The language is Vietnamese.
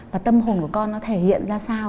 và tâm hồn của con thể hiện ra sao